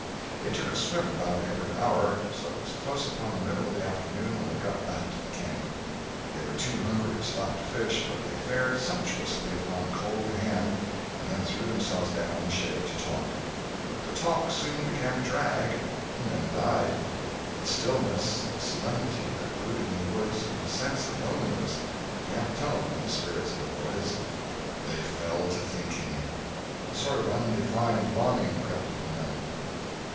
They took a swim about every hour, so it was close upon the middle of the afternoon when they got back to camp. They were too hungry to stop to fish, but they fared sumptuously upon cold ham, and then threw themselves down in the shade to talk. But the talk soon began to drag, and then died. The stillness, the solemnity that brooded in the woods, and the sense of loneliness, began to tell upon the spirits of the boys. They fell to thinking. A sort of undefined longing crept upon them.